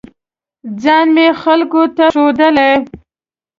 ځان مې خلکو ته ښودلی